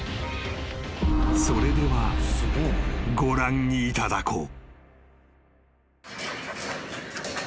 ［それではご覧いただこう］